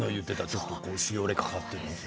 ちょっと、しおれかかっている。